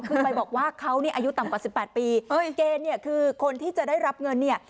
คือไปบอกว่าเขาอายุต่ำกว่า๑๘ปีเกณฑ์คือคนที่จะได้รับเงิน